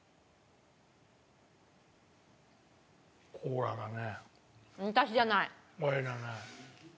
コーラだね。